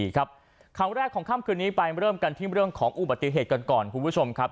ครั้งแรกของค่ำคืนนี้ไปเริ่มกันที่เรื่องของอุบัติเหตุกันก่อนคุณผู้ชมครับ